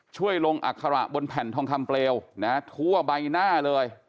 ช่วยลงอัคระบนแผ่นทองคำเปลวทั่วใบหน้าเลย